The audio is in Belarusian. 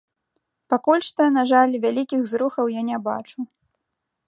Пакуль што, на жаль, вялікіх зрухаў я не бачу.